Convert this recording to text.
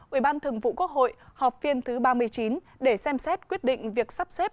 ủy ban thường vụ quốc hội họp phiên thứ ba mươi chín để xem xét quyết định việc sắp xếp